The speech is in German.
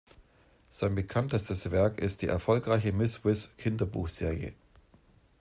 Sein bekanntestes Werk ist die erfolgreiche Miss Wiss-Kinderbuchserie.